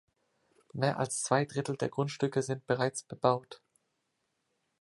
Mehr als zwei Drittel der Grundstücke sind bereits bebaut.